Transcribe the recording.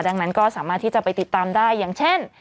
ดังนั้นก็สามารถที่จะไปติดตามได้อย่างเช่น